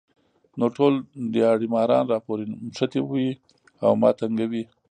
نو ټول دیاړي ماران راپورې نښتي وي ـ او ما تنګوي